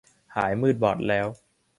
หายมืดบอดแล้ว